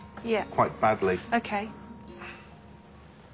はい。